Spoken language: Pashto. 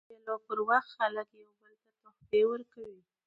د مېلو پر وخت خلک یو بل ته تحفې ورکوي.